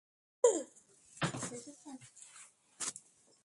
তিনি নিজ সম্প্রদায়ের মধ্যে খুব জনপ্রিয় ছিলেন।